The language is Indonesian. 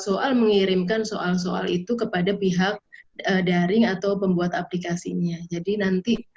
soal mengirimkan soal soal itu kepada pihak daring atau pembuat aplikasinya jadi nanti